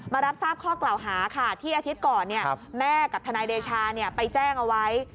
มารับทราบข้อเกลาหาค่ะที่อาทิตย์ก่อนเนี่ยแม่กับทนายเดชเรานี่ไปแจ้งเอาไว้